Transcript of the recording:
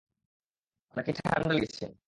নাকি ঠান্ডা লেগেছে?